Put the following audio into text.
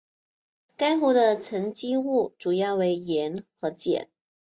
该湖的沉积物主要为盐和碱。